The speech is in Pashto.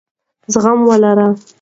زغم ولرئ.